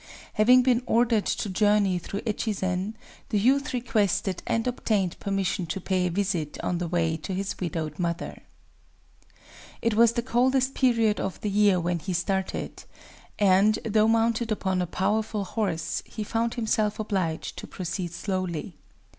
Having been ordered to journey through Echizen, the youth requested and obtained permission to pay a visit, on the way, to his widowed mother. It was the coldest period of the year when he started; and, though mounted upon a powerful horse, he found himself obliged to proceed slowly.